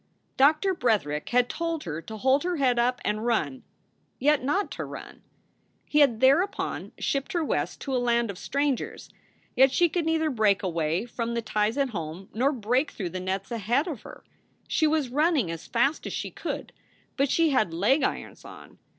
Doctor Bretherick had told her to hold her head up and run yet not to run. He had thereupon shipped her West to a land of strangers; yet she could neither break away from the ties at home nor break through the nets ahead of her. She was running as fast as she could, but she had leg irons on.